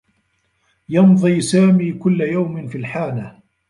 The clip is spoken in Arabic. يمضي سامي كلّ يوم في الحانة.